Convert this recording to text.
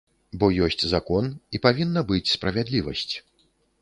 Бо ёсць закон, і павінна быць справядлівасць.